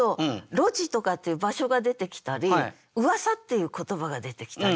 「ろじ」とかっていう場所が出てきたり「噂」っていう言葉が出てきたり。